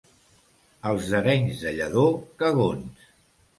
Els d'Arenys de Lledó, cagons.